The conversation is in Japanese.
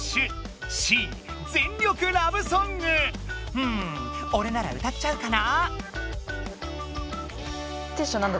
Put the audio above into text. うんおれなら歌っちゃうかな。